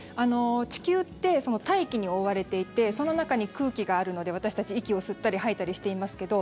地球って大気に覆われていてその中に空気があるので私たち、息を吸ったり吐いたりしていますけど